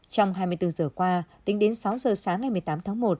trong hai mươi bốn giờ qua tính đến sáu giờ sáng ngày một mươi tám tháng một